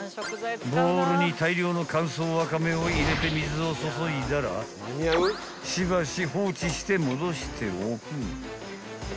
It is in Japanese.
［ボウルに大量の乾燥ワカメを入れて水を注いだらしばし放置して戻しておく］